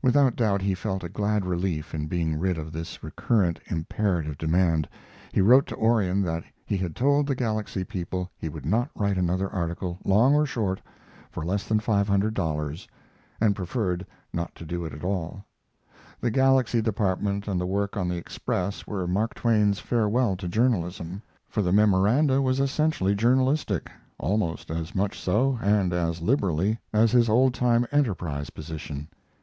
Without doubt he felt a glad relief in being rid of this recurrent, imperative demand. He wrote to Orion that he had told the Galaxy people he would not write another article, long or short, for less than $500, and preferred not to do it at all. The Galaxy department and the work on the Express were Mark Twain's farewell to journalism; for the "Memoranda" was essentially journalistic, almost as much so, and as liberally, as his old time Enterprise position.